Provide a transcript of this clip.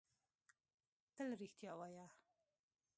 تل رښتیا وایۀ!